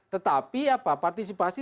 tetapi apa partisipasi